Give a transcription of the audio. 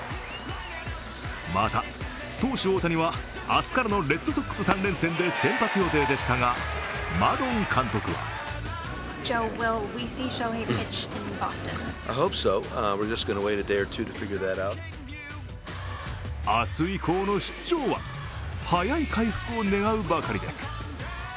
また投手・大谷は明日からのレッドソックス３連戦で先発予定でしたが、マドン監督は明日以降の出場は早い回復を願うばかりです。